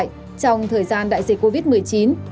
trong thời gian đại diện